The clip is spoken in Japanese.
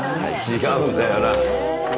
違うんだよな。